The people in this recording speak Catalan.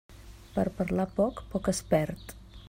Per parlar poc, poc es perd.